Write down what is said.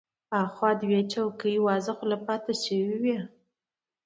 اخوا دوه نورې څوکۍ وازه خوله پاتې شوې وې.